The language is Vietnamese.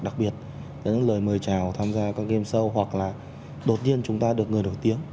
đặc biệt là những lời mời chào tham gia các game show hoặc là đột nhiên chúng ta được người nổi tiếng